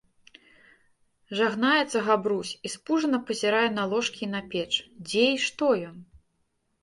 Жагнаецца Габрусь i спужана пазiрае на ложкi i на печ, дзе i што ён?